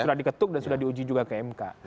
sudah diketuk dan sudah diuji juga ke mk